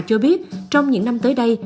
cho biết trong những năm tới đây